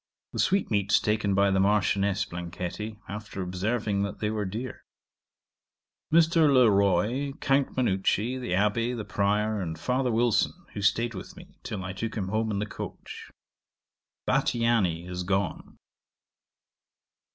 The sweetmeats taken by the Marchioness Blanchetti, after observing that they were dear. Mr. Le Roy, Count Manucci, the Abbé, the Prior, and Father Wilson, who staid with me, till I took him home in the coach. 'Bathiani is gone.